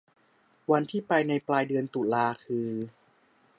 วันที่ไปในปลายเดือนตุลาคือ